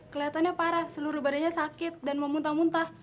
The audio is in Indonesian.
kelihatannya parah seluruh badannya sakit dan memuntah muntah